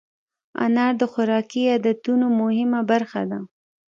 انار د خوراکي عادتونو مهمه برخه ده.